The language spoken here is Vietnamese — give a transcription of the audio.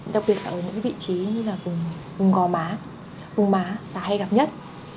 đặc biệt là ở những vị trí như vùng gò má vùng má là hay gặp nhất